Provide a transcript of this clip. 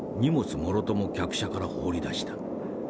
もろとも客車から放り出した。